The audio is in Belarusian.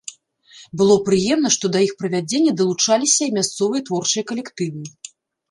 Было прыемна, што да іх правядзення далучаліся і мясцовыя творчыя калектывы.